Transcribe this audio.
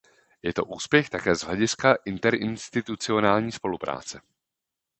Je to úspěch také z hlediska interinstitucionální spolupráce.